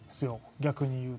逆に言うと。